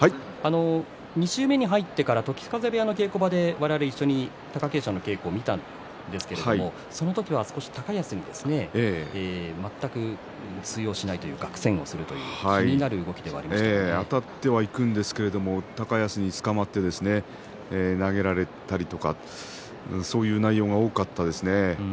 ２週目に入ってから時津風部屋の稽古場で一緒に貴景勝の稽古を見ましたがその時は高安に全く通用しないというか苦戦するあたっていくんですが高安につかまって投げられたりとかそういう内容が多かったですね。